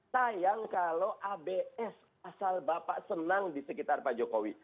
sayang kalau abs asal bapak senang di sekitar pak jokowi